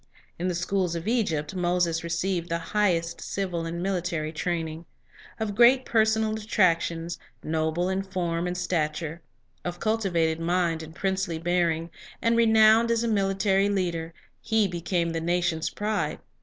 In the schools of Egypt, Moses received the highest civil and military training. Of great personal attractions, noble in form and stature, of cultivated mind and princely bearing, and renowned as a military leader, he became the nation's pride.